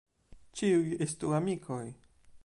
Ĉiuj estu amikoj.